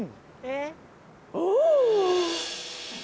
お！